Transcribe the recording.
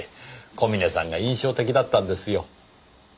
小峰さんが印象的だったんですよ。